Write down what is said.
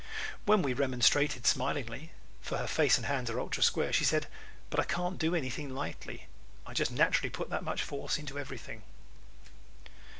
When we remonstrated smilingly for her face and hands are ultra square she said, "But I can't do anything lightly. I just naturally put that much force into everything."